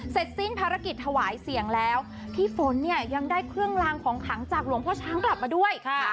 สิ้นภารกิจถวายเสียงแล้วพี่ฝนเนี่ยยังได้เครื่องลางของขังจากหลวงพ่อช้างกลับมาด้วยค่ะ